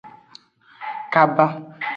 Kaba.